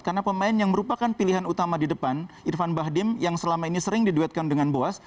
karena pemain yang merupakan pilihan utama di depan irfan bahdim yang selama ini sering diduetkan dengan boas